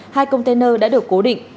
hai container đã được cố định